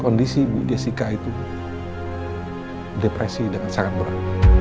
kondisi ibu jessica itu depresi dengan sangat berat